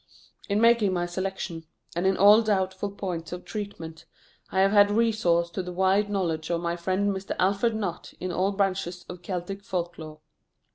In making my selection, and in all doubtful points of treatment, I have had resource to the wide knowledge of my friend Mr. Alfred Nutt in all branches of Celtic folk lore.